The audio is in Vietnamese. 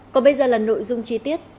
còn bây giờ là nội dung chi tiết